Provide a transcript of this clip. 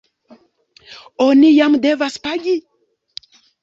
Oni jam devas pagi?